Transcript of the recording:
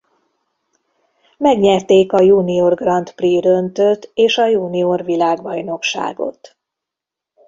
Megnyerték a Junior Grand Prix döntőt és a Junior Világbajnokságot.